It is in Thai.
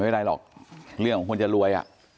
ไม่ได้หรอกเรื่องของควรจะรวยอ่ะ